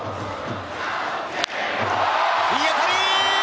いい当たり！